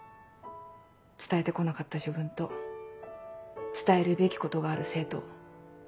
伝えてこなかった自分と伝えるべきことがある生徒を。